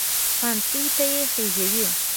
پانسۍ ته یې خېژاوې.